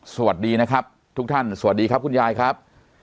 สวัสดีนะครับทุกท่านสวัสดีครับคุณยายครับ